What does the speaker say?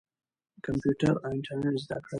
کمپیوټر او انټرنیټ زده کړئ.